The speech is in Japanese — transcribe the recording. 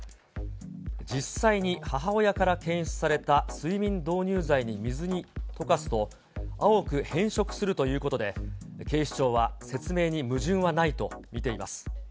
実際に母親から検出された睡眠導入剤は水に溶かすと、青く変色するということで、警視庁は説明に矛盾はないと見ています。